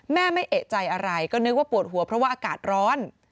แม่ไม่เอกใจอะไรก็นึกว่าปวดหัวเพราะว่าอากาศร้อน